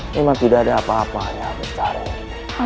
memang tidak ada apa apa yang bisa diperlukan